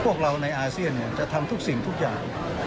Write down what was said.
พวกเราในอาเซียนจะทำทุกสิ่งทุกอย่าง